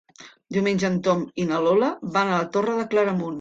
Diumenge en Tom i na Lola van a la Torre de Claramunt.